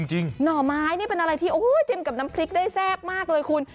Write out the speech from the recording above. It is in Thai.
หน่อไม้นี่เป็นอะไรที่จิ้มกับน้ำพริกได้แซ่บมากเลยคุณ